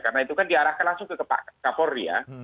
karena itu kan diarahkan langsung ke pak kapolri ya